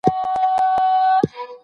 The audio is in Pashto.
نو بیا به کامیابه ټولنه ولرو.